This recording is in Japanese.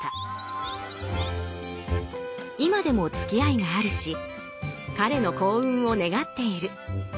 今でもつきあいがあるし彼の幸運を願っている。